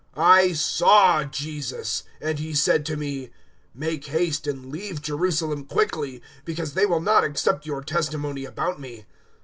022:018 I saw Jesus, and He said to me, "`Make haste and leave Jerusalem quickly, because they will not accept your testimony about Me.'